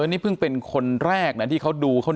นี่เพิ่งเป็นคนแรกนะที่เขาดูเขา